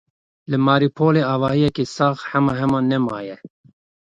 Li Mariupolê avahiyeke sax hema hema ne maye.